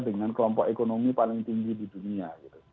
dengan kelompok ekonomi paling tinggi di dunia